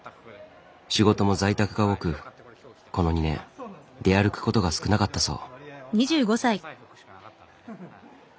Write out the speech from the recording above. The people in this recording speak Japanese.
仕事も在宅が多くこの２年出歩くことが少なかったそう。